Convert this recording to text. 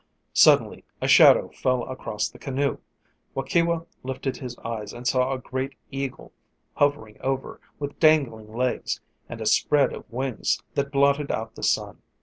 Suddenly a shadow fell across the canoe. Waukewa lifted his eyes and saw a great eagle hovering over, with dangling legs, and a spread of wings that blotted out the sun.